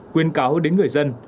quyên cáo đến người dân